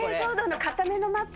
硬めのマット。